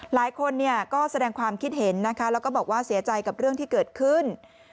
หลายคนก็แสดงความคิดเห็นนะคะแล้วก็บอกว่าเสียใจกับเรื่องที่เกิดขึ้น